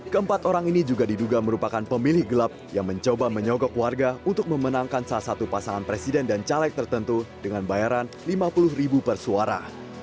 keempat orang ini juga diduga merupakan pemilih gelap yang mencoba menyogok warga untuk memenangkan salah satu pasangan presiden dan caleg tertentu dengan bayaran rp lima puluh ribu per suara